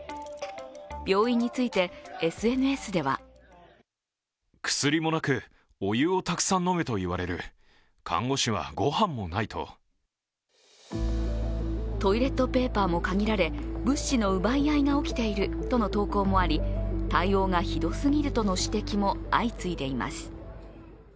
病院についてＳＮＳではトイレットペーパーも限られ物資の奪い合いが起きているとの投稿もあり、対応がひどすぎるとの指摘も相次いでいます。